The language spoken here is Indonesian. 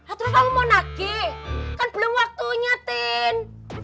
atro kamu mau nagik kan belum waktunya tin